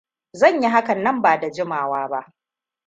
Zan yi hakan nan ba da jimawa ba.